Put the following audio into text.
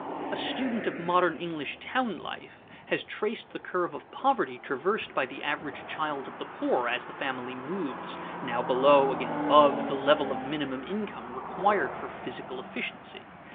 A student of modern English town life has traced the curve of poverty traversed by the average child of the poor, as the family moves, now below, again above, the level of minimum income required for physical efficiency.